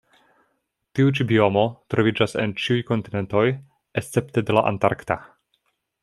Tiu ĉi biomo troviĝas en ĉiuj kontinentoj escepte de la antarkta.